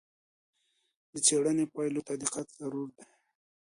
د څېړنې پایلو ته دقت ضروری دی.